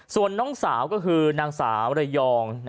ส่วนน้องสาวก็คือนางสาวระยอง